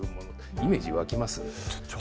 イメージ湧きます？